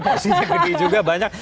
porsinya gede juga banyak